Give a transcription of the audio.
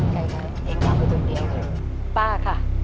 ใครครับป้าค่ะ